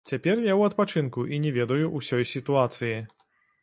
Цяпер я ў адпачынку і не ведаю ўсёй сітуацыі.